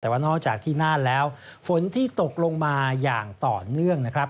แต่ว่านอกจากที่น่านแล้วฝนที่ตกลงมาอย่างต่อเนื่องนะครับ